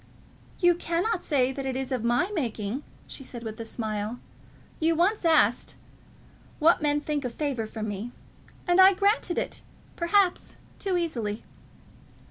"You cannot say that it is of my making," she said, with a smile. "You once asked what men think a favour from me; and I granted it, perhaps too easily."